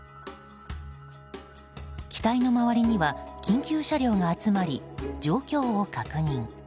機体の周りには緊急車両が集まり状況を確認。